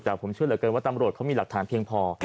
แต่ผมเชื่อเหลือเกินว่าตำรวจเขามีหลักฐานเพียงพอ